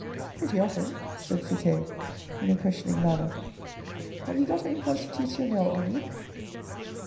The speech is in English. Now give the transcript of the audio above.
" Pretty often," said Fouque in a questioning manner. " Have you got any Constitutionnels on you